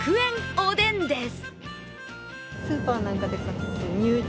おでんです。